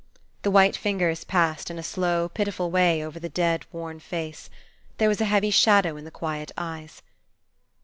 The white fingers passed in a slow, pitiful way over the dead, worn face. There was a heavy shadow in the quiet eyes.